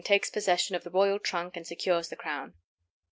TAKES POSSESSION OF THE ROYAL TRUNK AND SECURES THE CROWN.